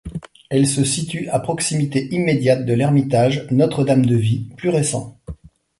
Elle se situe à proximité immédiate de l'ermitage Notre-Dame-de-Vie, plus récent.